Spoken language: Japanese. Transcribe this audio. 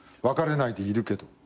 別れないでいるけど。